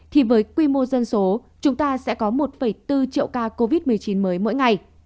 thì với quy mô dân số chúng ta sẽ có một bốn triệu ca covid một mươi chín mới mỗi ngày